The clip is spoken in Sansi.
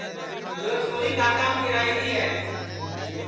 یو چھوری کاکام کیراھیری ہے